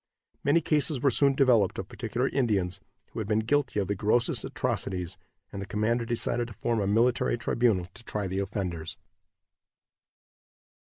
Many cases were soon developed of particular Indians, who had been guilty of the grossest atrocities, and the commander decided to form a military tribunal to try the offenders.